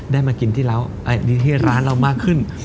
มากินที่ร้านเรามากขึ้น